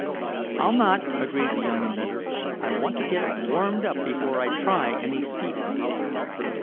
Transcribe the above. "I'll not," agreed the young inventor. "I want to get it warmed up before I try any speeding."